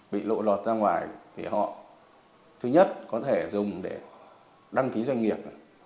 bị lộ lọt ra ngoài thì họ thứ nhất có thể dùng để đăng ký doanh nghiệp